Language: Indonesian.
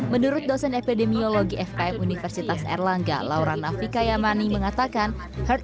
menurut dosen epidemiologi fkm universitas erlangga laura nafikayamani mengatakan herd